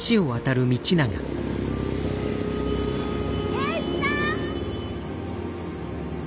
圭一さん！